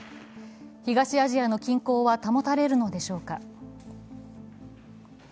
東アジアの均衡は保たれるのでしょうか。